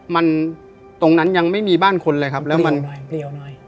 มันตรงนั้นยังไม่มีบ้านคนเลยครับแล้วมันหน่อยเปรียวหน่อย